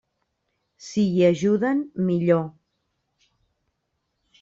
Si hi ajuden, millor.